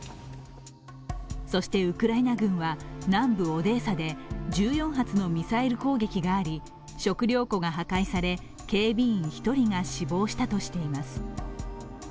そしてウクライナ軍は南部オデーサで１４発のミサイル攻撃があり食糧庫が破壊され、警備員１人が死亡したとしています。